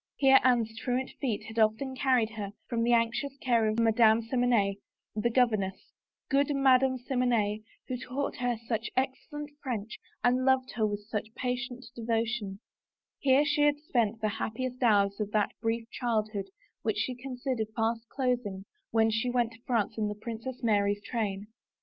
Here Anne's truant feet had often carried her from the anxious care of Madame Simonette, the governess — good Madame Simonette, who taught her such excel lent French and loved her with sucfi patient devotion — here she had spent the happiest hours of that brief child hood which she considered fast closing when she went to France in the Princess Mary's train.